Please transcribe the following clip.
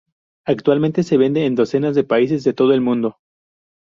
Actualmente se vende en docenas de países de todo el mundo.